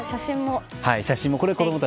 写真も。